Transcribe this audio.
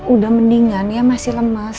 udah mendingan ya masih lemas